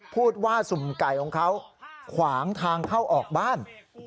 พูดว่าสุ่มไก่ของเขาขวางทางเข้าออกบ้าน